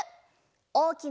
「おおきな